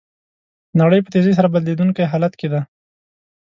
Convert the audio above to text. نړۍ په تېزۍ سره بدلیدونکي حالت کې ده.